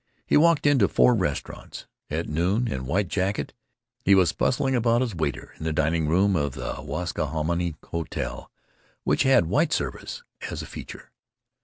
He walked into four restaurants. At noon, in white jacket, he was bustling about as waiter in the dining room of the Waskahominie Hotel, which had "white service" as a feature.